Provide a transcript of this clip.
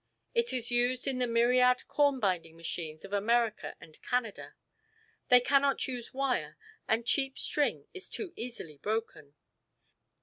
It is used in the myriad corn binding machines of America and Canada. They cannot use wire, and cheap string is too easily broken.